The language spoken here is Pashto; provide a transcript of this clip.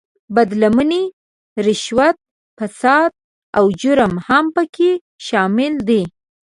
بد لمنۍ، رشوت، فساد او جرم هم په کې شامل دي.